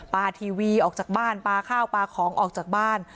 ทีวีออกจากบ้านปลาข้าวปลาของออกจากบ้าน